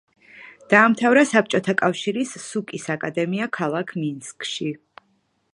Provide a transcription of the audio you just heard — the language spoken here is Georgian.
დაამთავრა საბჭოთა კავშირის სუკ-ის აკადემია ქალაქ მინსკში.